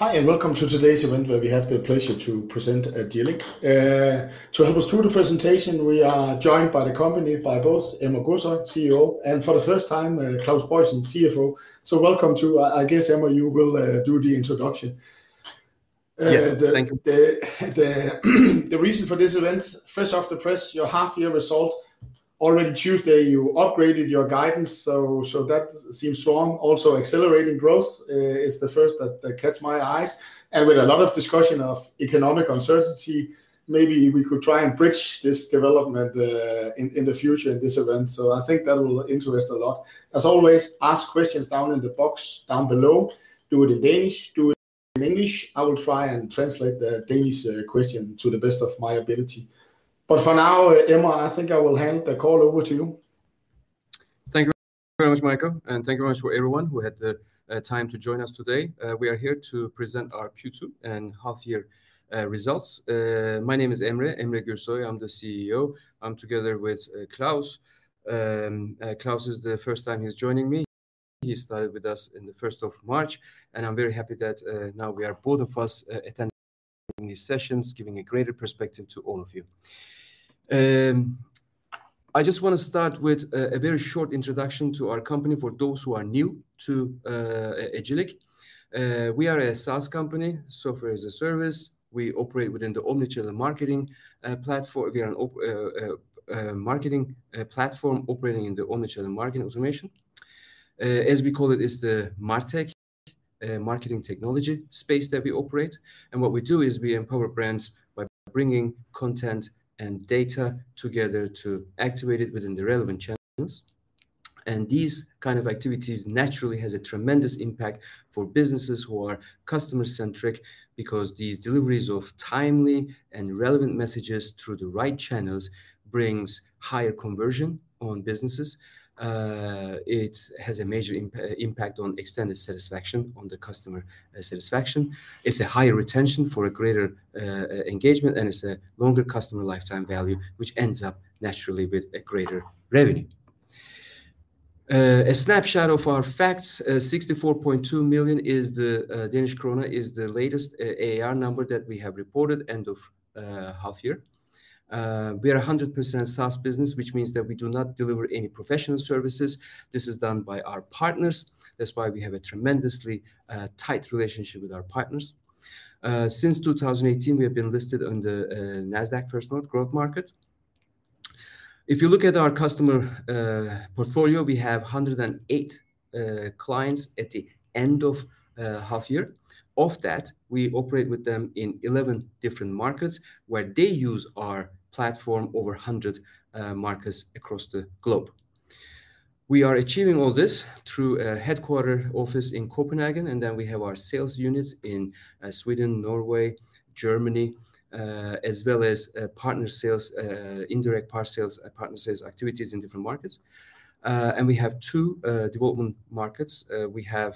Hi, and welcome to today's event where we have the pleasure to present Agillic. To help us through the presentation, we are joined by the company, by both Emre Gürsoy, CEO, and for the first time, Claus Boysen, CFO. Welcome. I guess, Emre, you will do the introduction. Yes. Thank you. The reason for this event, fresh off the press, your half-year result. Already Tuesday, you upgraded your guidance, so that seems strong. Also accelerating growth is the first that catch my eyes. With a lot of discussion of economic uncertainty, maybe we could try and bridge this development in the future in this event. I think that will interest a lot. As always, ask questions down in the box down below. Do it in Danish, do it in English. I will try and translate the Danish question to the best of my ability. For now, Emre, I think I will hand the call over to you. Thank you very much, Michael, and thank you very much for everyone who had the time to join us today. We are here to present our Q2 and half-year results. My name is Emre Gürsoy. I'm the CEO. I'm together with Claus. This is the first time he's joining me. He started with us in the March 1st, and I'm very happy that now we are both of us attending these sessions, giving a greater perspective to all of you. I just wanna start with a very short introduction to our company for those who are new to Agillic. We are a SaaS company, software as a service. We operate within the omnichannel marketing platform. We are an omnichannel marketing platform operating in the Omnichannel Marketing Automation. As we call it's the MarTech, marketing technology space that we operate. What we do is we empower brands by bringing content and data together to activate it within the relevant channels. These kind of activities naturally has a tremendous impact for businesses who are customer-centric because these deliveries of timely and relevant messages through the right channels brings higher conversion on businesses. It has a major impact on extended satisfaction, on the customer satisfaction. It's a higher retention for a greater engagement, and it's a longer customer lifetime value, which ends up naturally with a greater revenue. A snapshot of our facts. 64.2 million is the latest ARR number that we have reported end of half year. We are 100% SaaS business, which means that we do not deliver any professional services. This is done by our partners. That's why we have a tremendously tight relationship with our partners. Since 2018, we have been listed on the Nasdaq First North Growth Market. If you look at our customer portfolio, we have 108 clients at the end of half year. Of that, we operate with them in 11 different markets where they use our platform over 100 markets across the globe. We are achieving all this through a headquarters office in Copenhagen, and then we have our sales units in Sweden, Norway, Germany, as well as partner sales, indirect partner sales, partner sales activities in different markets. We have two development markets. We have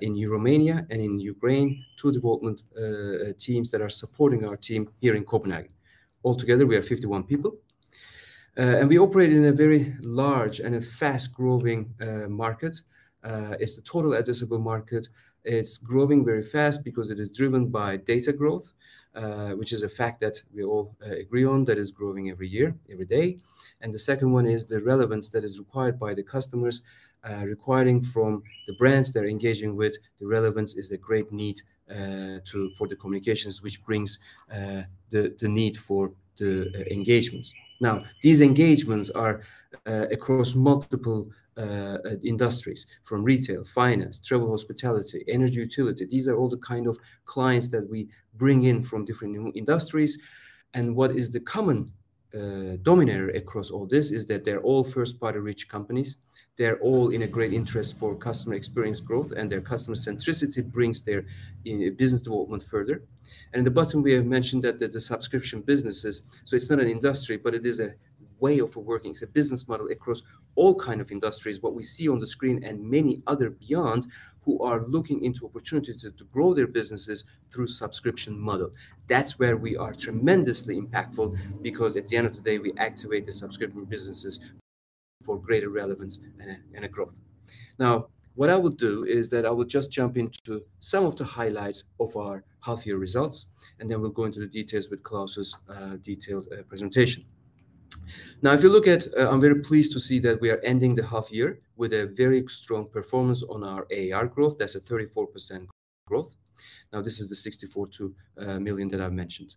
in Romania and in Ukraine two development teams that are supporting our team here in Copenhagen. Altogether, we are 51 people. We operate in a very large and a fast-growing market. It's the total addressable market. It's growing very fast because it is driven by data growth, which is a fact that we all agree on that is growing every year, every day. The second one is the relevance that is required by the customers, requiring from the brands they're engaging with. The relevance is a great need for the communications, which brings the need for the engagements. Now, these engagements are across multiple industries, from retail, finance, travel, hospitality, energy, utility. These are all the kind of clients that we bring in from different new industries. What is the common denominator across all this is that they're all first-party rich companies. They're all in a great interest for customer experience growth, and their customer centricity brings their business development further. In the bottom, we have mentioned that the subscription businesses, so it's not an industry, but it is a way of working. It's a business model across all kind of industries, what we see on the screen and many other beyond, who are looking into opportunities to grow their businesses through subscription model. That's where we are tremendously impactful because at the end of the day, we activate the subscription businesses for greater relevance and a growth. Now, what I will do is that I will just jump into some of the highlights of our half-year results, and then we'll go into the details with Claus's detailed presentation. Now, if you look at, I'm very pleased to see that we are ending the half year with a very strong performance on our ARR growth. That's a 34% growth. Now, this is the 64.2 million that I've mentioned.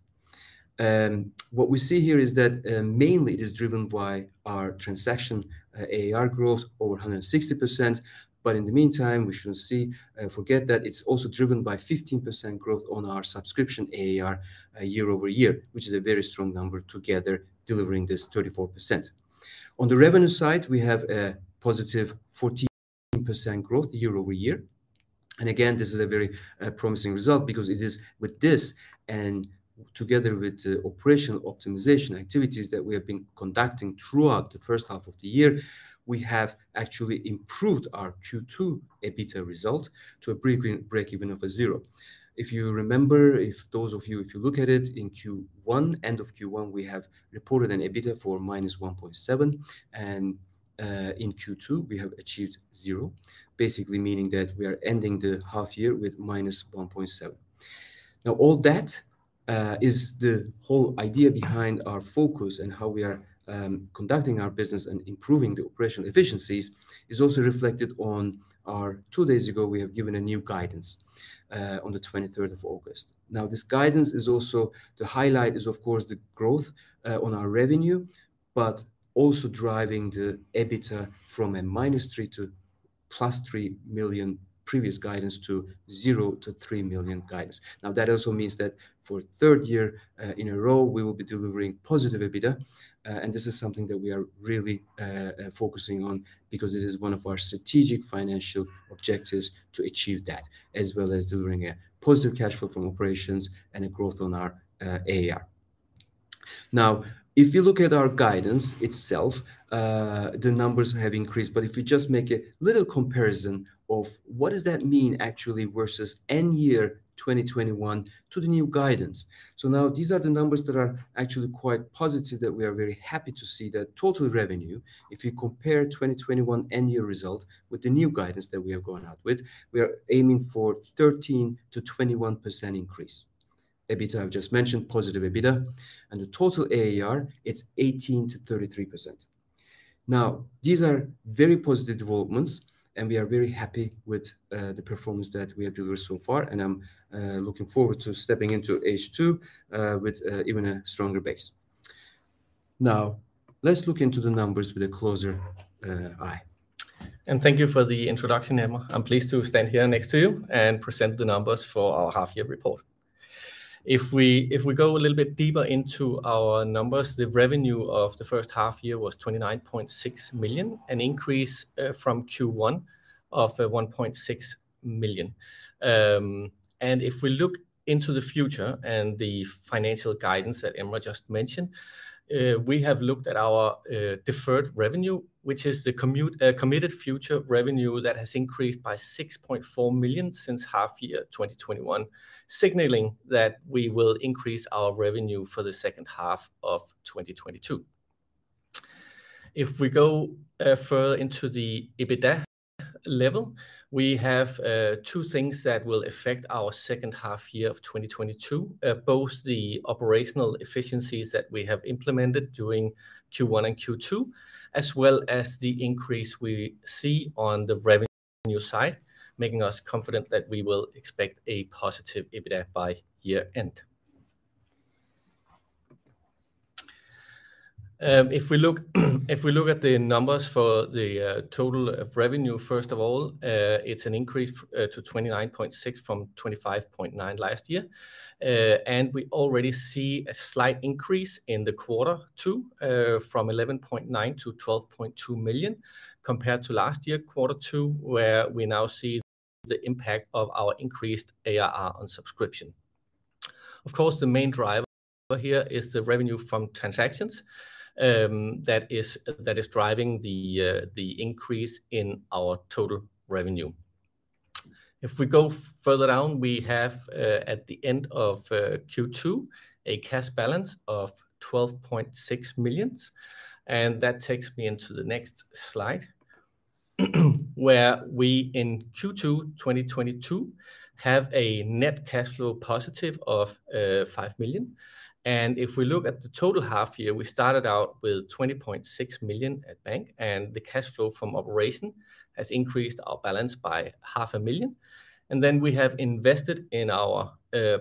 What we see here is that, mainly it is driven by our transaction ARR growth over 160%. But in the meantime, we shouldn't forget that it's also driven by 15% growth on our subscription ARR year-over-year, which is a very strong number together delivering this 34%. On the revenue side, we have a +14% growth year-over-year. Again, this is a very promising result because it is with this and together with the operational optimization activities that we have been conducting throughout the first half of the year, we have actually improved our Q2 EBITDA result to a break-even of 0 million. If you remember, if those of you, if you look at it in Q1, end of Q1, we have reported an EBITDA for -1.7 million, and in Q2 we have achieved 0 million, basically meaning that we are ending the half year with -1.7 million. Now, all that is the whole idea behind our focus and how we are conducting our business and improving the operational efficiencies, is also reflected on our. Two days ago, we have given a new guidance on the August 23rd. Now, this guidance is also the highlight is of course the growth on our revenue, but also driving the EBITDA from -3 million-+3 million previous guidance to 0 million-3 million guidance. Now, that also means that for third year in a row we will be delivering positive EBITDA, and this is something that we are really focusing on because it is one of our strategic financial objectives to achieve that, as well as delivering a positive cash flow from operations and a growth on our ARR. Now, if you look at our guidance itself, the numbers have increased, but if you just make a little comparison of what does that mean actually versus FY 2021 to the new guidance. Now these are the numbers that are actually quite positive that we are very happy to see. The total revenue, if you compare 2021 full-year result with the new guidance that we are going out with, we are aiming for 13%-21% increase. EBITDA, I've just mentioned, positive EBITDA, and the total ARR, it's 18%-33%. Now, these are very positive developments, and we are very happy with the performance that we have delivered so far, and I'm looking forward to stepping into H2 with even a stronger base. Now, let's look into the numbers with a closer eye. Thank you for the introduction, Emre. I'm pleased to stand here next to you and present the numbers for our half year report. If we go a little bit deeper into our numbers, the revenue of the first half year was 29.6 million, an increase from Q1 of 1.6 million. If we look into the future and the financial guidance that Emre just mentioned, we have looked at our deferred revenue, which is the committed future revenue that has increased by 6.4 million since half year 2021, signaling that we will increase our revenue for the second half of 2022. If we go further into the EBITDA level, we have two things that will affect our second half year of 2022, both the operational efficiencies that we have implemented during Q1 and Q2, as well as the increase we see on the revenue side, making us confident that we will expect a positive EBITDA by year-end. If we look at the numbers for the total of revenue, first of all, it's an increase to 29.6 million from 25.9 million last year. We already see a slight increase in quarter two from 11.9 million to 12.2 million, compared to last year quarter two, where we now see the impact of our increased ARR on subscription. Of course, the main driver here is the revenue from transactions, that is driving the increase in our total revenue. If we go further down, we have at the end of Q2, a cash balance of 12.6 million, and that takes me into the next slide, where we in Q2 2022 have a net cash flow positive of 5 million. If we look at the total half year, we started out with 20.6 million at bank, and the cash flow from operation has increased our balance by 500,000. Then we have invested,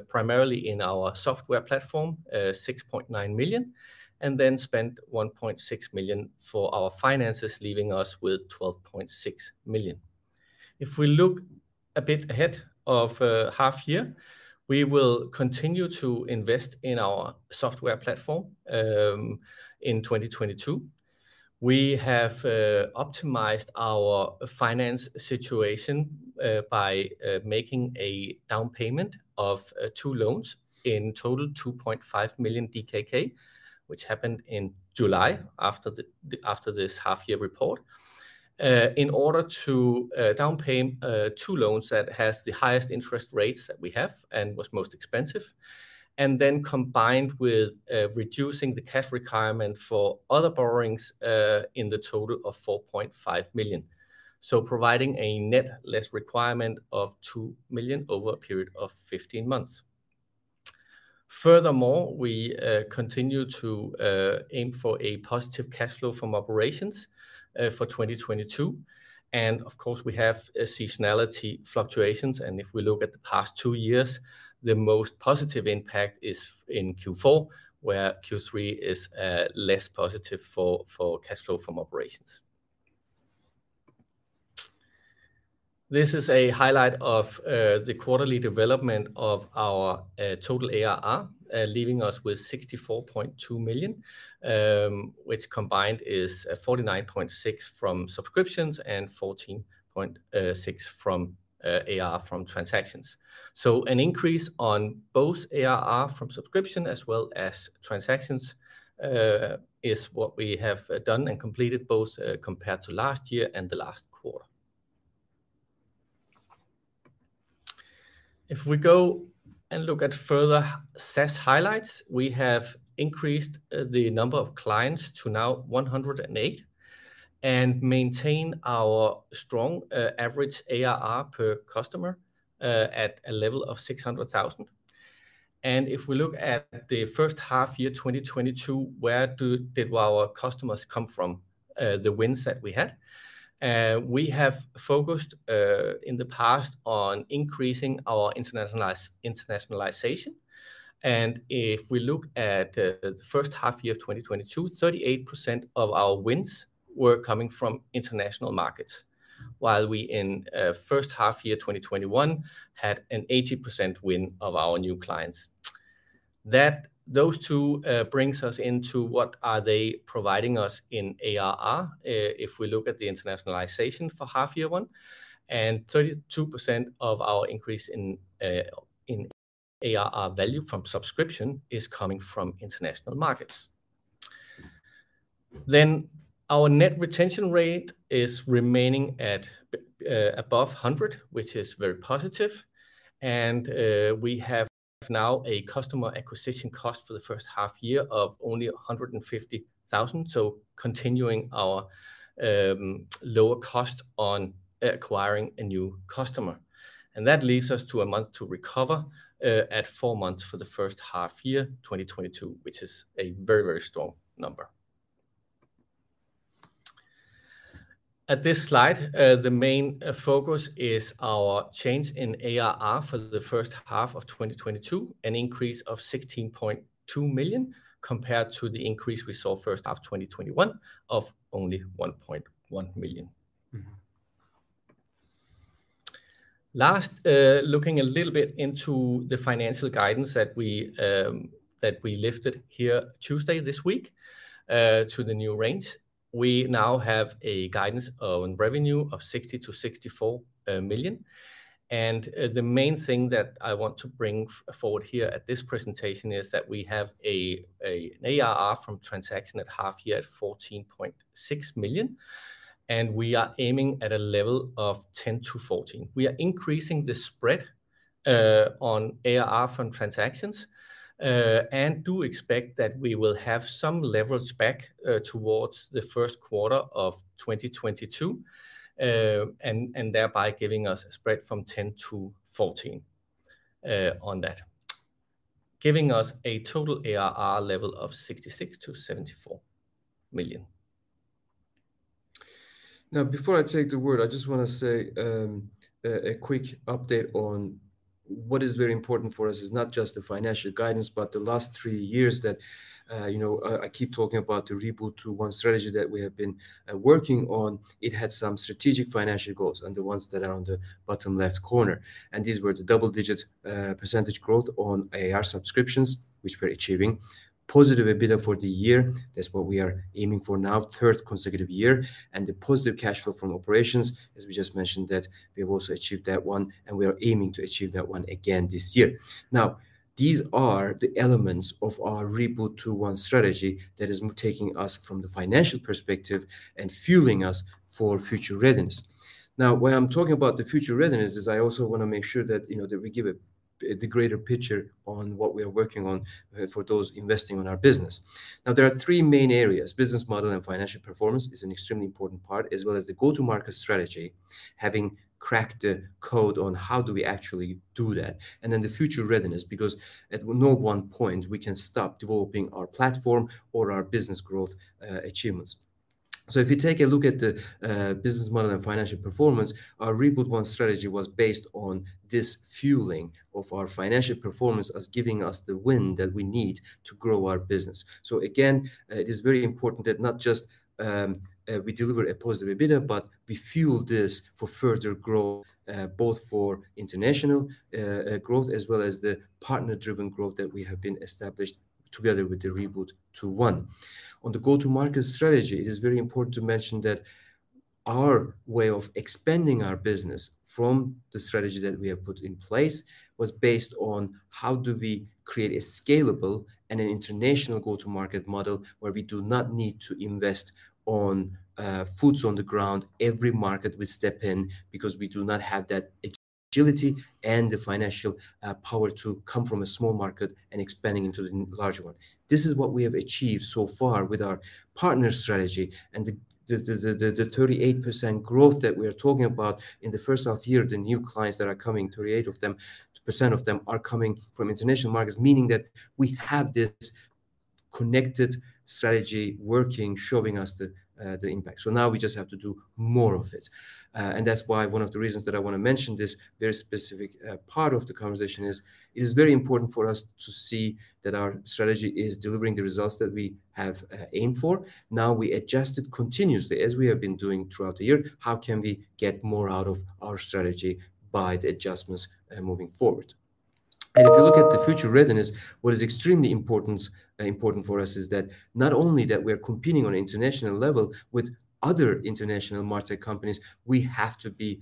primarily in our software platform, 6.9 million, and then spent 1.6 million for our finances, leaving us with 12.6 million. If we look a bit ahead of half year, we will continue to invest in our software platform in 2022. We have optimized our financial situation by making a down payment of two loans, in total 2.5 million DKK, which happened in July after this half year report. In order to down pay two loans that has the highest interest rates that we have and was most expensive, and then combined with reducing the cash requirement for other borrowings in the total of 4.5 million. Providing a net less requirement of 2 million over a period of 15 months. Furthermore, we continue to aim for a positive cash flow from operations for 2022. Of course, we have seasonality fluctuations, and if we look at the past two years, the most positive impact is in Q4, where Q3 is less positive for cash flow from operations. This is a highlight of the quarterly development of our total ARR, leaving us with 64.2 million, which combined is 49.6 million from subscriptions and 14.6 million from ARR from transactions. An increase on both ARR from subscription as well as transactions is what we have done and completed both, compared to last year and the last quarter. If we go and look at further SaaS highlights, we have increased the number of clients to now 108 and maintain our strong average ARR per customer at a level of 600,000. If we look at the first half year, 2022, where did our customers come from, the wins that we had? We have focused in the past on increasing our internationalization. If we look at the first half year of 2022, 38% of our wins were coming from international markets, while we in first half year 2021 had an 80% win of our new clients. Those two brings us into what they are providing us in ARR. If we look at the internationalization for half year one, 32% of our increase in ARR value from subscription is coming from international markets. Our net retention rate is remaining at above 100, which is very positive. We have now a customer acquisition cost for the first half year of only 150,000, so continuing our lower cost on acquiring a new customer. That leads us to a month to recover at four months for the first half year, 2022, which is a very, very strong number. At this slide, the main focus is our change in ARR for the first half of 2022, an increase of 16.2 million compared to the increase we saw first half 2021 of only 1.1 million. Mm-hmm. Last, looking a little bit into the financial guidance that we lifted here Tuesday this week to the new range. We now have a guidance on revenue of 60 million-64 million. The main thing that I want to bring forward here at this presentation is that we have a ARR from transaction at half year at 14.6 million, and we are aiming at a level of 10 million-14 million. We are increasing the spread on ARR from transactions and do expect that we will have some leverage back towards the first quarter of 2022, and thereby giving us a spread from 10 million-14 million on that, giving us a total ARR level of 66 million-74 million. Now, before I take the word, I just wanna say, a quick update on what is very important for us is not just the financial guidance, but the last three years that I keep talking about the Reboot 2.1 strategy that we have been working on. It had some strategic financial goals, and the ones that are on the bottom left corner, and these were the double-digit percentage growth on ARR subscriptions, which we're achieving. Positive EBITDA for the year, that's what we are aiming for now, third consecutive year, and the positive cash flow from operations, as we just mentioned that we've also achieved that one, and we are aiming to achieve that one again this year. Now, these are the elements of our Reboot 2.1 strategy that is taking us from the financial perspective and fueling us for future readiness. Now, when I'm talking about the future readiness, I also wanna make sure that, you know, that we give the greater picture on what we are working on for those investing in our business. Now, there are three main areas. Business model and financial performance is an extremely important part, as well as the go-to-market strategy, having cracked the code on how do we actually do that, and then the future readiness, because at no point we can stop developing our platform or our business growth achievements. If you take a look at the business model and financial performance, our Reboot 1 strategy was based on this fueling of our financial performance as giving us the wind that we need to grow our business. Again, it is very important that not just we deliver a positive EBITDA, but we fuel this for further growth, both for international growth as well as the partner-driven growth that we have been established together with the Reboot 2.1. On the go-to-market strategy, it is very important to mention that our way of expanding our business from the strategy that we have put in place was based on how do we create a scalable and an international go-to-market model where we do not need to invest on boots on the ground every market we step in, because we do not have that agility and the financial power to come from a small market and expanding into the large one. This is what we have achieved so far with our partner strategy and the 38% growth that we are talking about in the first half year, the new clients that are coming, 38% of them are coming from international markets, meaning that we have this connected strategy working, showing us the impact. Now we just have to do more of it. That's why one of the reasons that I wanna mention this very specific part of the conversation is. It is very important for us to see that our strategy is delivering the results that we have aimed for. Now, we adjust it continuously, as we have been doing throughout the year. How can we get more out of our strategy by the adjustments moving forward? If you look at the future readiness, what is extremely important for us is that not only that we're competing on an international level with other international MarTech companies, we have to be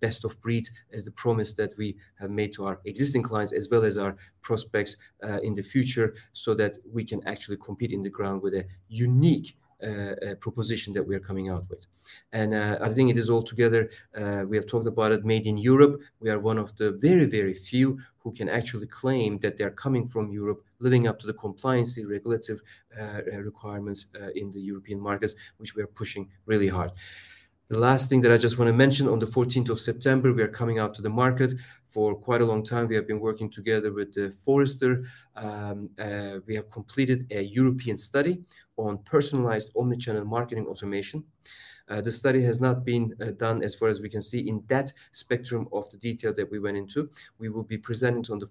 best of breed as the promise that we have made to our existing clients as well as our prospects in the future so that we can actually compete on the ground with a unique proposition that we are coming out with. I think it is all together we have talked about it made in Europe. We are one of the very, very few who can actually claim that they're coming from Europe, living up to the compliance regulatory requirements in the European markets, which we are pushing really hard. The last thing that I just wanna mention, on the September 14th, we are coming out to the market. For quite a long time, we have been working together with Forrester. We have completed a European study on personalized Omnichannel Marketing Automation. The study has not been done as far as we can see in that spectrum of the detail that we went into. We will be presenting it on the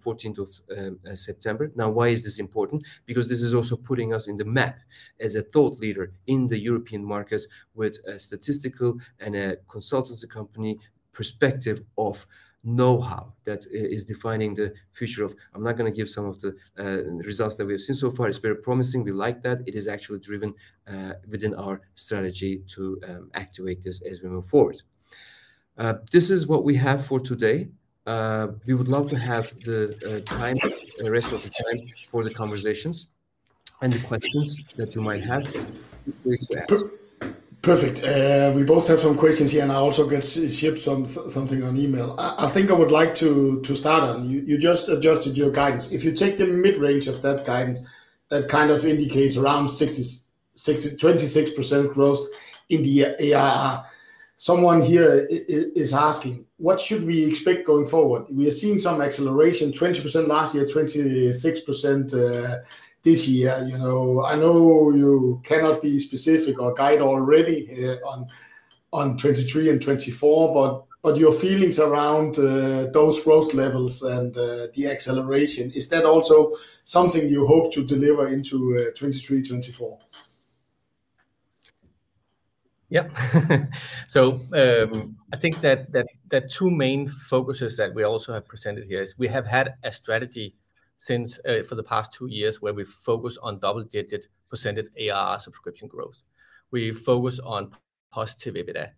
September 14th. Now, why is this important? Because this is also putting us on the map as a thought leader in the European markets with a statistical and a consultancy company perspective of know-how that is defining the future of. I'm not gonna give some of the results that we have seen so far. It's very promising. We like that. It is actually driven within our strategy to activate this as we move forward. This is what we have for today. We would love to have the time, the rest of the time for the conversations and the questions that you might have, which we have. Perfect. We both have some questions here, and I also get something on email. I think I would like to start on you just adjusted your guidance. If you take the mid-range of that guidance, that kind of indicates around 60%, 26% growth in the ARR. Someone here is asking, "What should we expect going forward? We are seeing some acceleration, 20% last year, 26% this year. You know, I know you cannot be specific or guide already on 2023 and 2024, but your feelings around those growth levels and the acceleration, is that also something you hope to deliver into 2023, 2024? I think that two main focuses that we also have presented here is we have had a strategy since for the past two years where we focus on double-digit percentage ARR subscription growth. We focus on positive EBITDA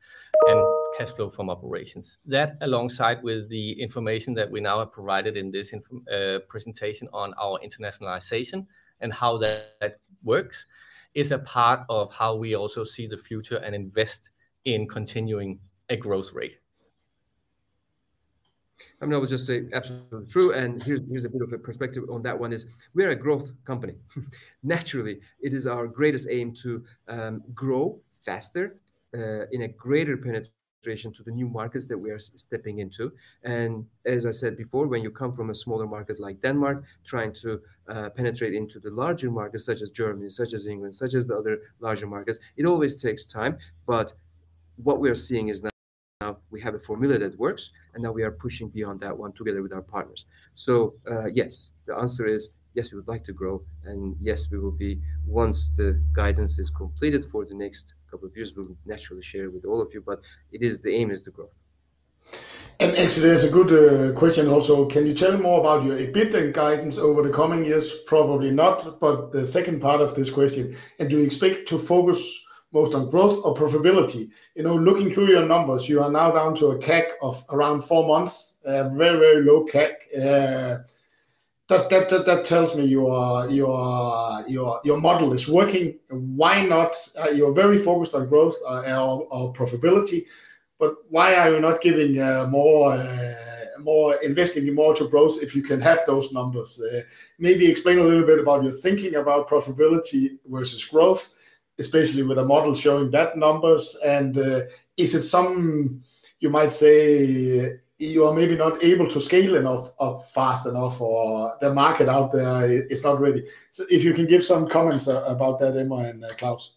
and cash flow from operations. That alongside with the information that we now have provided in this presentation on our internationalization and how that works is a part of how we also see the future and invest in continuing a growth rate. I mean, I would just say absolutely true, and here's a bit of a perspective on that. One is we are a growth company. Naturally, it is our greatest aim to grow faster in a greater penetration to the new markets that we are stepping into. As I said before, when you come from a smaller market like Denmark, trying to penetrate into the larger markets, such as Germany, such as England, such as the other larger markets, it always takes time. What we are seeing is now we have a formula that works, and now we are pushing beyond that one together with our partners. Yes. The answer is yes, we would like to grow, and yes, we will be. Once the guidance is completed for the next couple of years, we'll naturally share with all of you. It is the aim is to grow. Actually, there's a good question also. Can you tell more about your EBITDA guidance over the coming years? Probably not. The second part of this question: Do you expect to focus most on growth or profitability? You know, looking through your numbers, you are now down to a CAC of around four months, a very, very low CAC. That tells me your model is working. Why not? You're very focused on growth or profitability, but why are you not giving more, investing more to growth if you can have those numbers? Maybe explain a little bit about your thinking about profitability versus growth, especially with a model showing that numbers. Is it some, you might say, you are maybe not able to scale enough, up fast enough, or the market out there is not ready. If you can give some comments about that, Emre and Claus.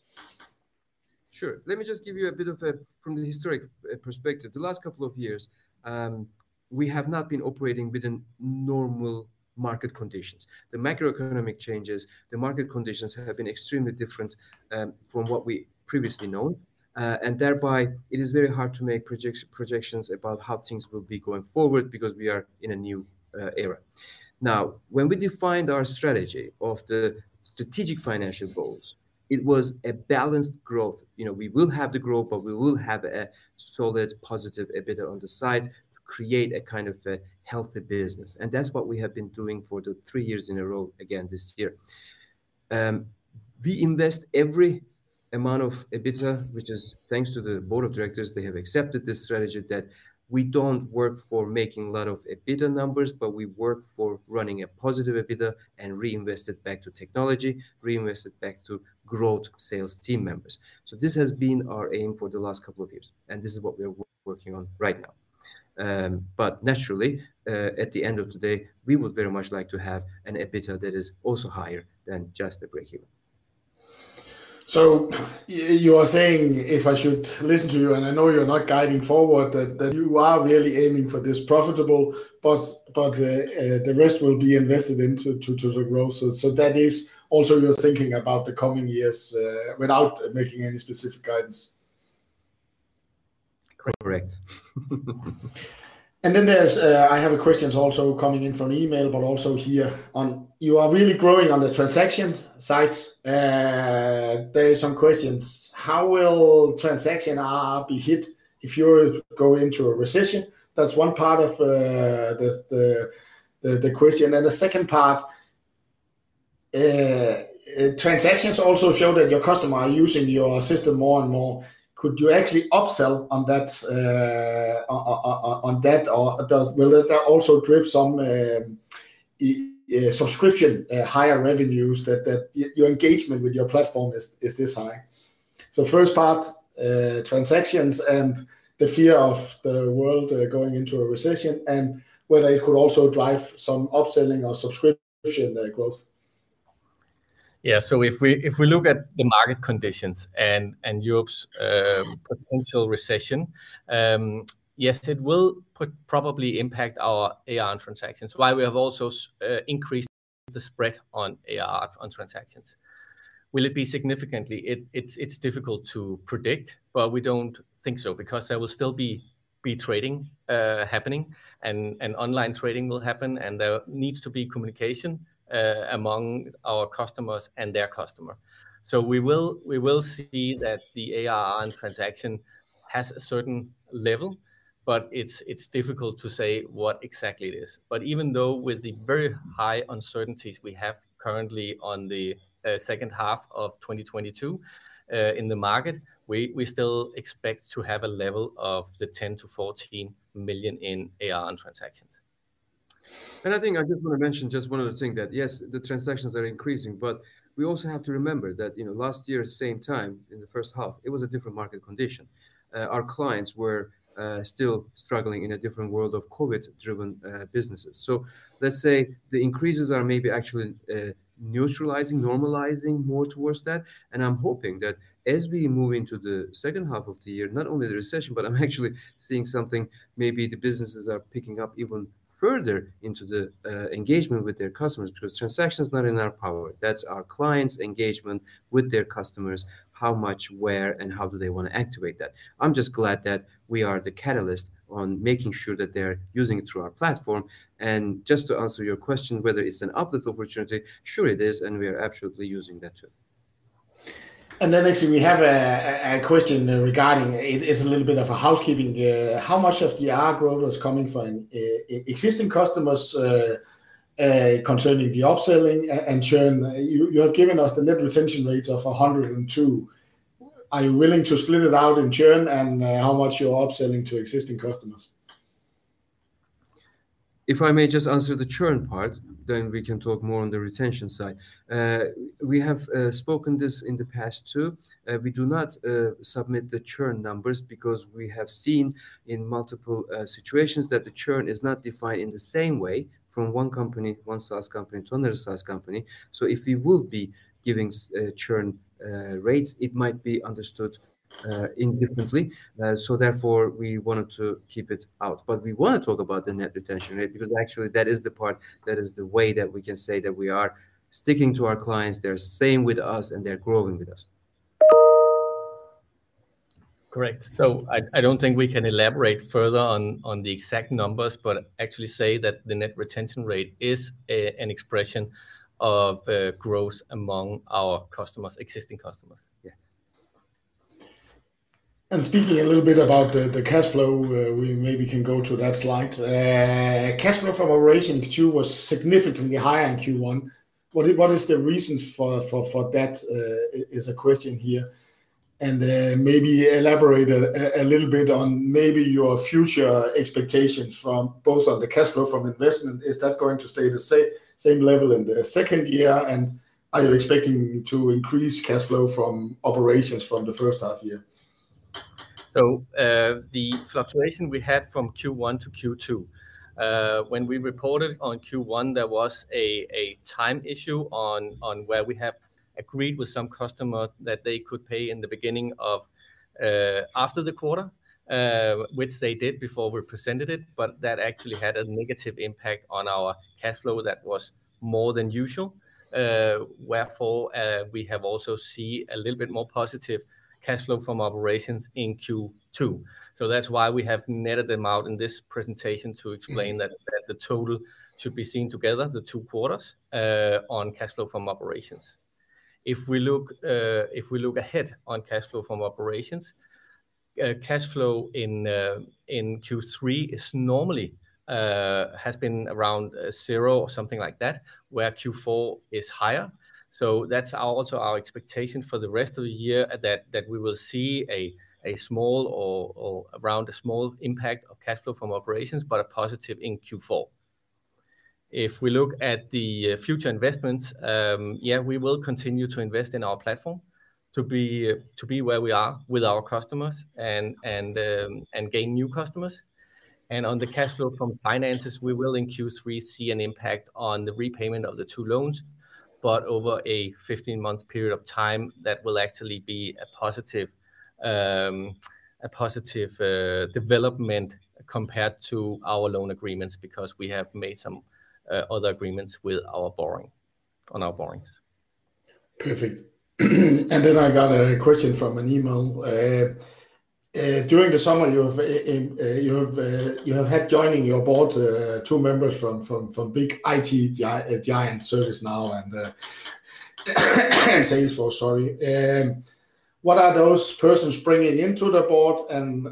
Sure. Let me just give you a bit of a from the historic perspective. The last couple of years, we have not been operating within normal market conditions. The macroeconomic changes, the market conditions have been extremely different from what we previously known. Thereby, it is very hard to make projections about how things will be going forward because we are in a new era. Now, when we defined our strategy of the strategic financial goals, it was a balanced growth. You know, we will have the growth, but we will have a solid positive EBITDA on the side to create a kind of a healthy business. That's what we have been doing for the three years in a row again this year. We invest every amount of EBITDA, which is thanks to the board of directors. They have accepted this strategy that we don't work for making a lot of EBITDA numbers, but we work for running a positive EBITDA and reinvest it back to technology, reinvest it back to growth sales team members. This has been our aim for the last couple of years, and this is what we are working on right now. Naturally, at the end of the day, we would very much like to have an EBITDA that is also higher than just a breakeven. You are saying, if I should listen to you, and I know you're not guiding forward, that you are really aiming for this profitability, but the rest will be invested into the growth. That is also your thinking about the coming years, without making any specific guidance? Correct. Then there's, I have a question also coming in from email, but also here, you are really growing on the transactions side. There is some question: how will transaction ARR be hit if you go into a recession? That's one part of the question. The second part, transactions also show that your customer are using your system more and more. Could you actually upsell on that or will that also drive some subscription higher revenues that your engagement with your platform is this high? First part, transactions and the fear of the world going into a recession and whether it could also drive some upselling or subscription growth. Yeah. If we look at the market conditions and Europe's potential recession, yes, it will probably impact our ARR on transactions. While we have also increased the spread on ARR on transactions. Will it be significantly? It's difficult to predict, but we don't think so because there will still be trading happening and online trading will happen, and there needs to be communication among our customers and their customer. We will see that the ARR on transaction has a certain level, but it's difficult to say what exactly it is. Even though with the very high uncertainties we have currently on the second half of 2022 in the market, we still expect to have a level of 10 million-14 million in ARR on transactions. I think I just want to mention just one other thing that, yes, the transactions are increasing, but we also have to remember that, you know, last year's same time in the first half, it was a different market condition. Our clients were still struggling in a different world of COVID-driven businesses. Let's say the increases are maybe actually neutralizing, normalizing more towards that, and I'm hoping that as we move into the second half of the year, not only the recession, but I'm actually seeing something, maybe the businesses are picking up even further into the engagement with their customers because transaction's not in our power. That's our clients' engagement with their customers, how much, where, and how do they want to activate that. I'm just glad that we are the catalyst on making sure that they're using it through our platform. Just to answer your question, whether it's an uplift opportunity, sure it is, and we are absolutely using that too. Actually we have a question regarding it. It is a little bit of a housekeeping here. How much of the ARR growth is coming from existing customers concerning the upselling and churn? You have given us the net retention rates of 102%. Are you willing to split it out in churn and how much you're upselling to existing customers? If I may just answer the churn part, then we can talk more on the retention side. We have spoken this in the past too. We do not submit the churn numbers because we have seen in multiple situations that the churn is not defined in the same way from one company, one size company to another size company. If we will be giving churn rates, it might be understood differently. Therefore we wanted to keep it out. We want to talk about the net retention rate, because actually that is the part that is the way that we can say that we are sticking to our clients, they're staying with us, and they're growing with us. Correct. I don't think we can elaborate further on the exact numbers, but actually say that the net retention rate is an expression of growth among our customers, existing customers. Yes. Speaking a little bit about the cash flow, we maybe can go to that slide. Cash flow from operations Q2 was significantly higher than in Q1. What is the reasons for that is a question here? Then maybe elaborate a little bit on maybe your future expectations from both on the cash flow from investment. Is that going to stay the same level in the second year? Are you expecting to increase cash flow from operations from the first half year? The fluctuation we had from Q1 to Q2, when we reported on Q1, there was a time issue on where we have agreed with some customer that they could pay in the beginning of after the quarter, which they did before we presented it, but that actually had a negative impact on our cash flow that was more than usual. Wherefore, we have also see a little bit more positive cash flow from operations in Q2. That's why we have netted them out in this presentation to explain that the total should be seen together, the two quarters, on cash flow from operations. If we look ahead on cash flow from operations, cash flow in Q3 is normally has been around zero or something like that, where Q4 is higher. That's our expectation for the rest of the year that we will see a small or around a small impact on cash flow from operations, but a positive in Q4. If we look at the future investments, we will continue to invest in our platform to be where we are with our customers and gain new customers. On the cash flow from financing, we will in Q3 see an impact on the repayment of the two loans. Over a 15-month period of time, that will actually be a positive development compared to our loan agreements because we have made some other agreements on our borrowings. Perfect. Then I got a question from an email. During the summer you have had two members joining your board from big IT giant ServiceNow and Salesforce, sorry. What are those persons bringing to the board?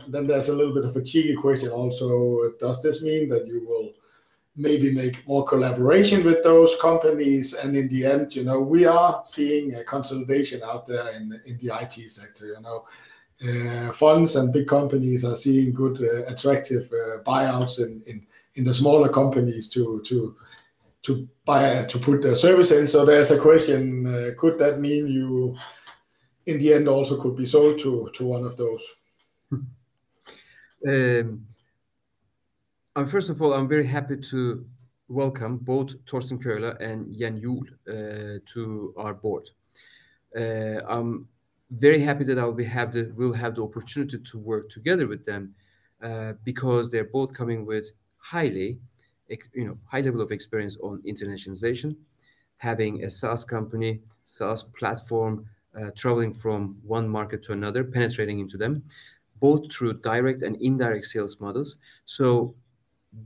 There's a little bit of a cheeky question also. Does this mean that you will maybe make more collaboration with those companies? In the end, you know, we are seeing a consolidation out there in the IT sector, you know. Funds and big companies are seeing good attractive buyouts in the smaller companies to put their service in. There's a question, could that mean you in the end also could be sold to one of those? First of all, I'm very happy to welcome both Thorsten Köhler and Jan Juul to our board. I'm very happy that I will have the opportunity to work together with them, because they're both coming with, you know, high level of experience on internationalization, having a SaaS company, SaaS platform, traveling from one market to another, penetrating into them, both through direct and indirect sales models.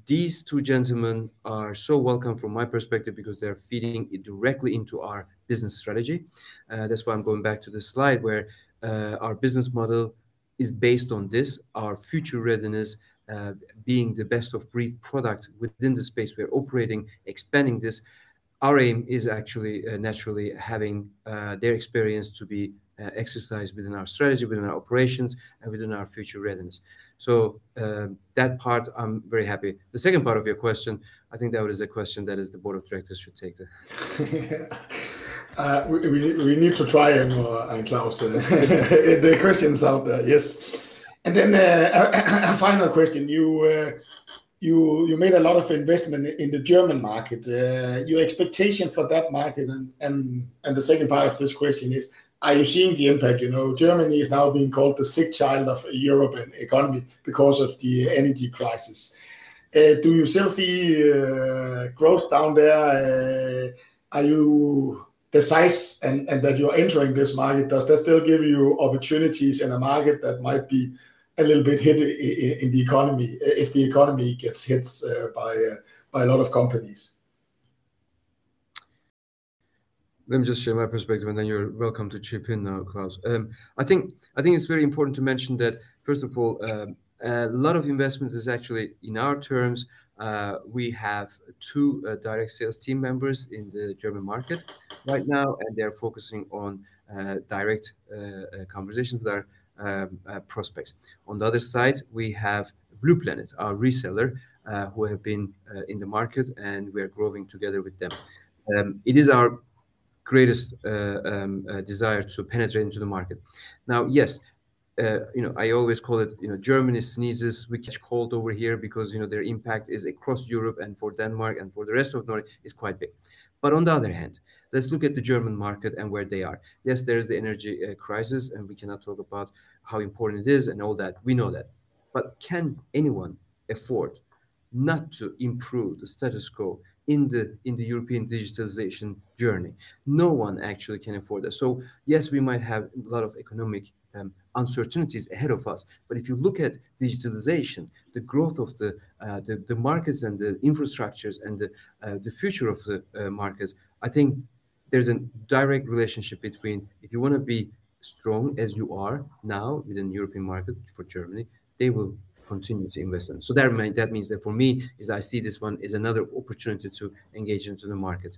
These two gentlemen are so welcome from my perspective because they're feeding it directly into our business strategy. That's why I'm going back to this slide where our business model is based on this, our future readiness, being the best of breed product within the space we are operating, expanding this. Our aim is actually, naturally having, their experience to be, exercised within our strategy, within our operations, and within our future readiness. That part I'm very happy. The second part of your question, I think that is a question that is the board of directors should take. We need to try, Emre and Claus. The questions out there. Yes. A final question. You made a lot of investment in the German market. Your expectation for that market and the second part of this question is, are you seeing the impact? You know, Germany is now being called the sick child of European economy because of the energy crisis. Do you still see growth down there? Are you decisive in that you are entering this market? Does that still give you opportunities in a market that might be a little bit hit in the economy, if the economy gets hit by a lot of companies? Let me just share my perspective, and then you're welcome to chip in, Claus. I think it's very important to mention that first of all, a lot of investments is actually in our terms. We have two direct sales team members in the German market right now, and they're focusing on direct conversations with our prospects. On the other side, we have bluplanet, our reseller, who have been in the market, and we are growing together with them. It is our greatest desire to penetrate into the market. Now, yes, you know, I always call it, you know, Germany sneezes, we catch cold over here because, you know, their impact is across Europe and for Denmark and for the rest of Nordic is quite big. On the other hand, let's look at the German market and where they are. There is the energy crisis, and we cannot talk about how important it is and all that. We know that. Can anyone afford not to improve the status quo in the European digitalization journey? No one actually can afford that. Yes, we might have a lot of economic uncertainties ahead of us, but if you look at digitalization, the growth of the markets and the infrastructures and the future of the markets, I think there's a direct relationship between if you wanna be strong as you are now within European market for Germany, they will continue to invest. That means that for me is I see this one as another opportunity to engage into the market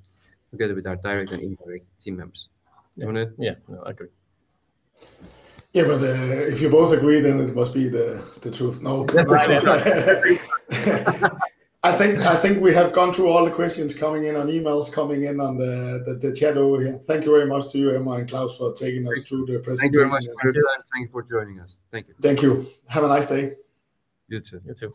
together with our direct and indirect team members. You wanna? Yeah. No, I agree. Yeah. If you both agree, then it must be the truth, no? Right. I think we have gone through all the questions coming in on emails, coming in on the chat over here. Thank you very much to you, Emre Gürsoy and Claus Boysen, for taking us through the presentation. Thank you very much, Michael. Thank you for joining us. Thank you. Thank you. Have a nice day. You too. You too.